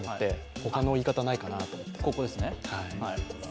他の言い方ないかなと思って。